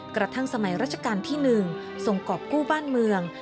กระทั่งสมัยรัชกาลที่หนึ่งส่งกรอบกู้บ้านเมือง